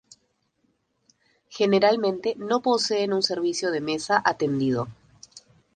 Generalmente no poseen un servicio de mesa atendido.